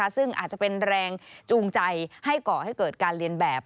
ซึ่งอาจจะเป็นแรงจูงใจให้ก่อให้เกิดการเรียนแบบ